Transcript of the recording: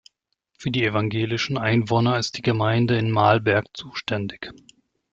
Für die evangelischen Einwohner ist die Gemeinde in Mahlberg zuständig.